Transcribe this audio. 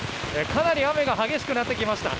かなり雨が激しくなってきました。